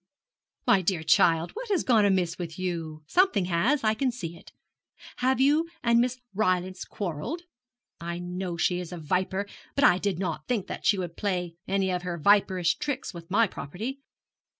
'My dear child, what has gone amiss with you? Something has, I can see. Have you and Miss Rylance quarrelled? I know she is a viper; but I did not think she would play any of her viperish tricks with my property.'